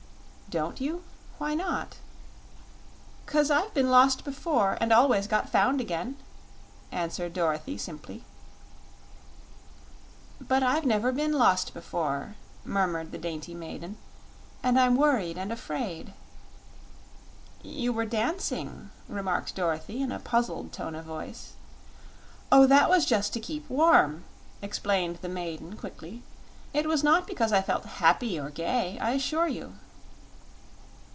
"Don't you? Why not?" "'Cause I've been lost before, and always got found again," answered Dorothy simply. "But I've never been lost before," murmured the dainty maiden, "and I'm worried and afraid." "You were dancing," remarked Dorothy, in a puzzled tone of voice. "Oh, that was just to keep warm," explained the maiden, quickly. "It was not because I felt happy or gay, I assure you."